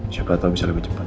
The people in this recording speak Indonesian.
siapa tahu bisa lebih cepat